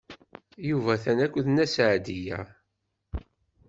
Yuba atan akked Nna Seɛdiya.